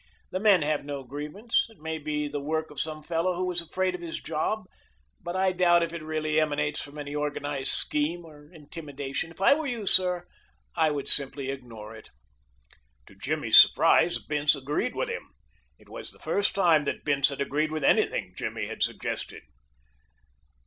"The men have no grievance. It may be the work of some fellow who was afraid of his job, but I doubt if it really emanates from any organized scheme of intimidation. If I were you, sir, I would simply ignore it." To Jimmy's surprise, Bince agreed with him. It was the first time that Bince had agreed with anything Jimmy had suggested.